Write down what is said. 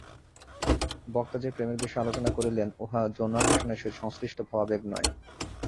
বক্তা যে-প্রেমের বিষয় আলোচনা করিলেন, উহা যৌন আকর্ষণের সহিত সংশ্লিষ্ট ভাবাবেগ নয়।